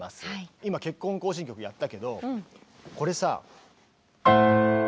今「結婚行進曲」やったけどこれさ。